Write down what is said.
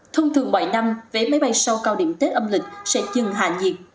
thông thường mọi năm vé máy bay sau cao điểm tết âm lịch sẽ dừng hạ nhiệt